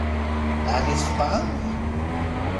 Ɛni tfeqɛem?